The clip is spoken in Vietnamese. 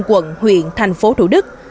quận huyện thành phố thủ đức